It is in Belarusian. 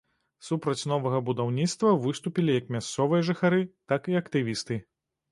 Супраць новага будаўніцтва выступілі як мясцовыя жыхары, так і актывісты.